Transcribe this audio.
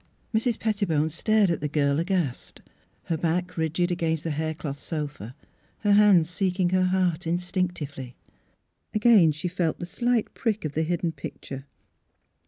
Mrs. Pettibone stared at the girl aghast, her back rigid against the haircloth sofa, her hands seeking her heart instinctively. Again she felt the slight prick of the hidden picture.